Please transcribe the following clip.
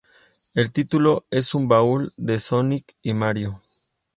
El título es un baúl de "Sonic" y "Mario".